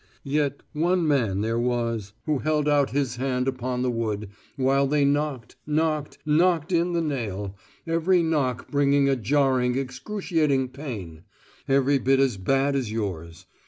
Yet one Man there was who held out His hand upon the wood, while they knocked, knocked, knocked in the nail, every knock bringing a jarring, excruciating pain, every bit as bad as yours.